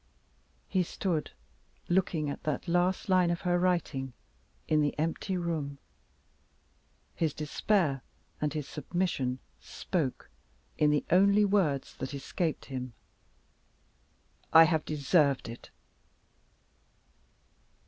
He stood, looking at that last line of her writing, in the empty room. His despair and his submission spoke in the only words that escaped him: "I have deserved it!"